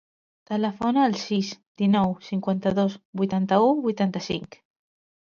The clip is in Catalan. Telefona al sis, dinou, cinquanta-dos, vuitanta-u, vuitanta-cinc.